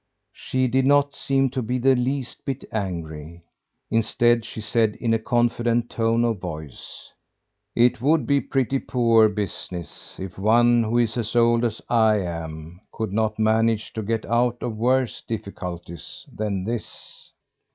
She did not seem to be the least bit angry. Instead, she said in a confident tone of voice: "It would be pretty poor business if one who is as old as I am could not manage to get out of worse difficulties than this.